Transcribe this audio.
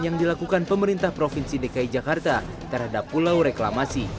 yang dilakukan pemerintah provinsi dki jakarta terhadap pulau reklamasi